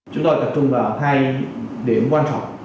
chúng tôi tập trung vào hai điểm quan trọng